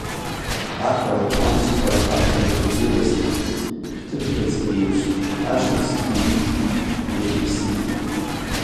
Ақалақь амшқәа аԥхьаӡоит ирласны, шәҭы бӷьыцк еиԥш ашықәс иит, иагьыԥсит.